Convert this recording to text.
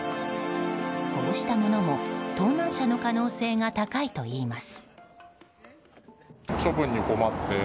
こうしたものも盗難車の可能性が高いといいます。